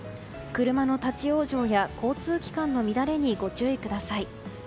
車の立ち往生や交通機関の乱れにご注意ください。